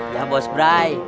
iya bos brai